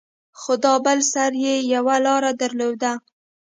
خو دا بل سر يې يوه لاره درلوده.